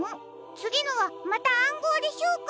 つぎのはまたあんごうでしょうか？